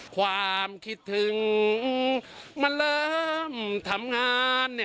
ความคิดถึงมันเริ่มทำงาน